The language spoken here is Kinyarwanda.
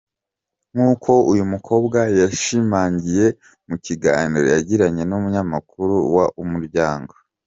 Nk’uko uyu mukobwa yabishimangiye mu kiganiro yagiranye n’umunyamakuru wa Umuryango.